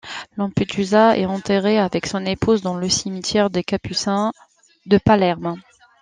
Lampedusa est enterré avec son épouse dans le cimetière des capucins de Palerme.